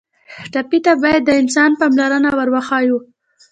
ټپي ته باید د انسان پاملرنه ور وښیو.